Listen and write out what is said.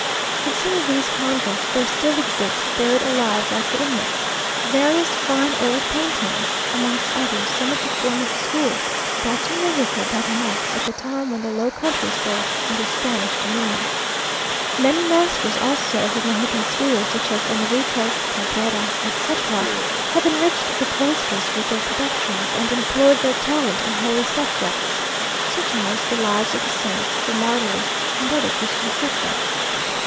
In some of these convents there still exist, buried alive like the inmates, various fine old paintings; amongst others, some of the Flemish school, brought to Mexico by the monks, at the time when the Low Countries were under Spanish dominion. Many masters also of the Mexican school, such as Enriquez, Cabrera, etc., have enriched the cloisters with their productions, and employed their talent on holy subjects, such as the lives of the saints, the martyrs, and other Christian subjects.